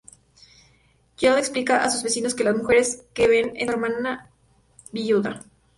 Jekyll explica a sus vecinos que la mujer que ven es su hermana viuda.